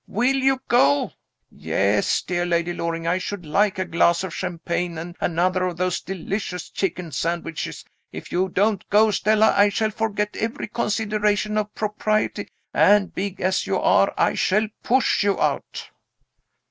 Will you go? Yes, dear Lady Loring, I should like a glass of champagne, and another of those delicious chicken sandwiches. If you don't go, Stella, I shall forget every consideration of propriety, and, big as you are, I shall push you out."